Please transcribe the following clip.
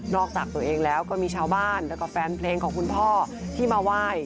จากตัวเองแล้วก็มีชาวบ้านแล้วก็แฟนเพลงของคุณพ่อที่มาไหว้